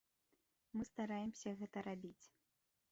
Мы стараемся гэта рабіць.